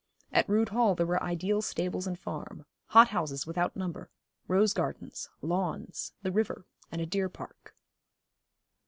At Rood Hall there were ideal stables and farm, hot houses without number, rose gardens, lawns, the river, and a deer park.